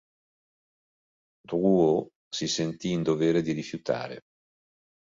Drouot si sentì in dovere di rifiutare.